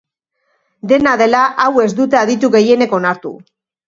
Dena dela, hau ez dute aditu gehienek onartu.